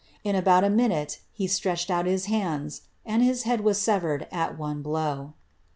In about a minute, he stretched out his hands, and his head was severed at one blow.